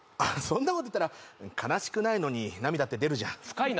そんなこと言ったら悲しくないのに涙って出るじゃん深い